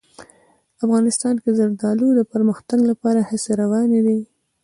افغانستان کې د زردالو د پرمختګ لپاره هڅې روانې دي.